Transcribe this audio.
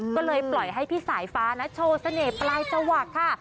ก็เลยปล่อยให้พี่สายฟ้านะโชว์เสน่ห์ปลายจวักค่ะ